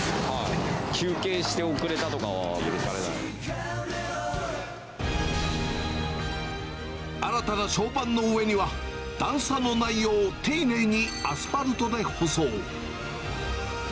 休憩して遅れたとかは許され新たな床版の上には、段差のないよう、丁寧にアスファルトで舗装。